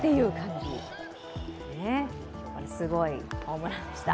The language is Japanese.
すごいホームランでした。